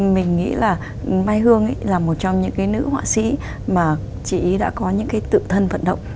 mình nghĩ là mai hương là một trong những cái nữ họa sĩ mà chị đã có những cái tự thân vận động